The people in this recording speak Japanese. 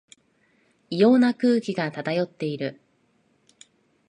異様な空気が漂っている